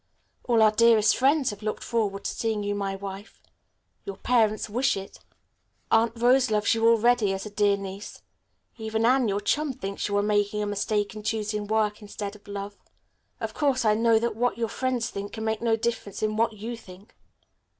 All our dearest friends have looked forward to seeing you my wife. Your parents wish it. Aunt Rose loves you already as a dear niece. Even Anne, your chum, thinks you are making a mistake in choosing work instead of love. Of course I know that what your friends think can make no difference in what you think.